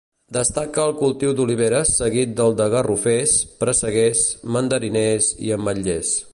Destaca el cultiu d'oliveres seguit del de garrofers, presseguers, mandariners i ametllers.